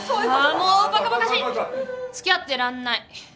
あもうバカバカしい！付き合ってらんない。